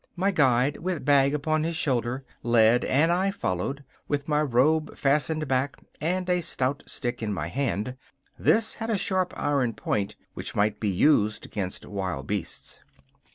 My guide, with bag upon his shoulder, led, and I followed, with my robe fastened back and a stout stick in my hand. This had a sharp iron point which might be used against wild beasts.